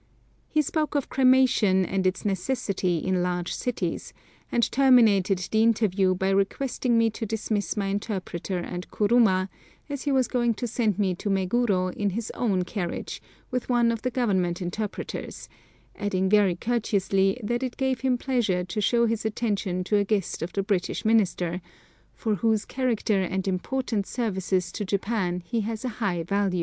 He spoke of cremation and its "necessity" in large cities, and terminated the interview by requesting me to dismiss my interpreter and kuruma, as he was going to send me to Meguro in his own carriage with one of the Government interpreters, adding very courteously that it gave him pleasure to show this attention to a guest of the British Minister, "for whose character and important services to Japan he has a high value."